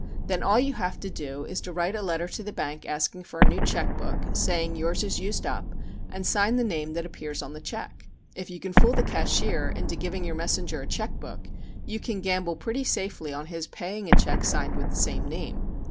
Then all you have to do is to write a letter to the bank asking for a new check book, saying yours is used up, and sign the name that appears on the check. If you can fool the cashier into giving your messenger a check book you can gamble pretty safely on his paying a check signed with the same name.